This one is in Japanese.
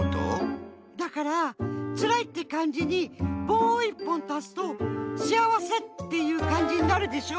だから「つらい」ってかんじにぼうをいっぽんたすと「幸せ」っていうかんじになるでしょ？